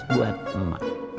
seratus buat emak